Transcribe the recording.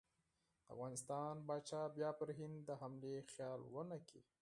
د افغانستان پاچا بیا پر هند د حملې خیال ونه کړي.